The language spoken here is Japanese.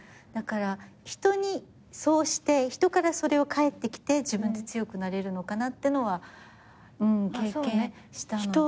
だから人にそうして人からそれが返ってきて自分って強くなれるのかなってのは経験した。